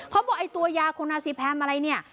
เขาบอกไอ้ตัวยาโคนาซีแพมอะไรเนี่ย